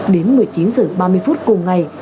đến một mươi chín h ba mươi phút cùng ngày